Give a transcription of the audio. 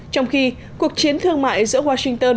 trong khi cuộc chiến thương mại giữa washington